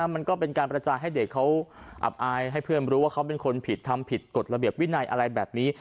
มันก็เป็นการกระจายให้เด็กเขาอับอายให้เพื่อนรู้ว่าเขาเป็นคนผิดทำผิดกฎระเบียบวินัยอะไรแบบนี้